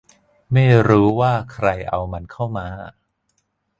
ไม่รู้ว่าใครเอามันเข้ามา